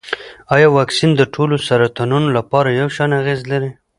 ایا واکسین د ټولو سرطانونو لپاره یو شان اغېز لري؟